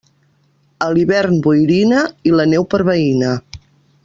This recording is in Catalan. A l'hivern boirina i la neu per veïna.